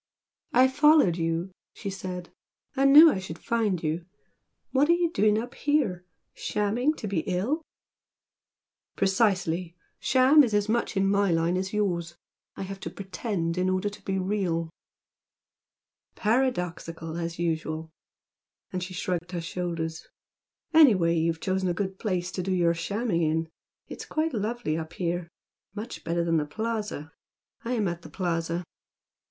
"I followed you" she said "I knew I should find you! What are you doing up here? Shamming to be ill?" "Precisely! 'Sham' is as much in my line as yours. I have to 'pretend' in order to be real!" "Paradoxical as usual!" and she shrugged her shoulders "Anyway you've chosen a good place to do your shamming in. It's quite lovely up here, much better than the Plaza. I am at the Plaza."